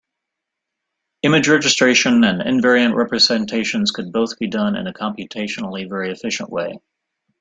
Image registration and invariant representations could both be done in a computationally very efficient way.